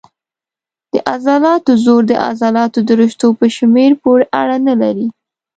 د عضلاتو زور د عضلاتو د رشتو په شمېر پورې اړه نه لري.